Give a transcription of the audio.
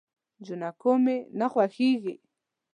جانکو مې نه خوښيږي.